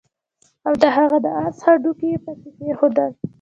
او د هغه د آس هډوکي يې پکي کېښودل